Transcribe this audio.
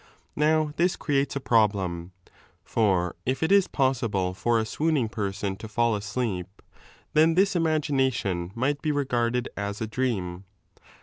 Now this creates a problem. 6 For if it ia possible for a swooning person to fall asleep, then this imagination might be regarded aa a dream.